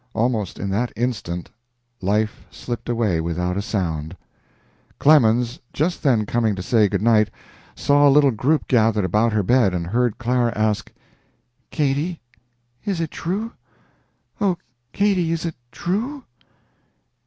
Almost in that instant life slipped away without a sound. Clemens, just then coming to say good night, saw a little group gathered about her bed, and heard Clara ask: "Katy, is it true? Oh, Katy, is it true?"